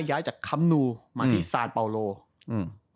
ย้ายจากคัมนุมาที่ศาสตร์ปาโปรโล